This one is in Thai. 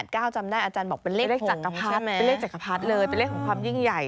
คือ๘๙จำได้อาจารย์บอกเป็นเลขจักรพัดเลยเป็นเลขของความยิ่งใหญ่